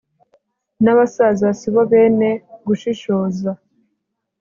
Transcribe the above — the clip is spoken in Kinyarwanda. n'abasaza si bo bene gushishoza